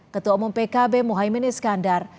ketua umum pkb mohaimin iskandar